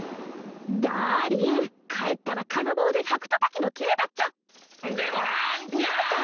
ダーリン帰ったら金棒で百たたきの刑だっちゃでもランちゃん！